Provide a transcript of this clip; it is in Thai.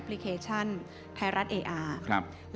เพราะฉะนั้นเราทำกันเนี่ย